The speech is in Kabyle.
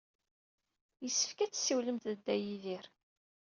Yessefk ad tessiwlemt d Dda Yidir.